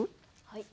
はい。